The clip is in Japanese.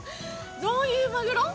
どういうマグロ？